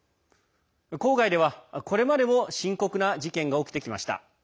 郊外では、これまでも深刻な事件が起きてきました。